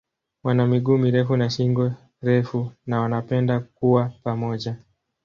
Wana miguu mirefu na shingo refu na wanapenda kuwa pamoja.